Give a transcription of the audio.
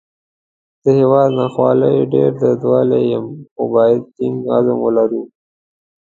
د هیواد ناخوالو ډېر دردولی یم، خو باید ټینګ عزم ولرو